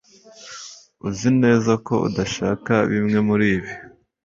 uzi neza ko udashaka bimwe muribi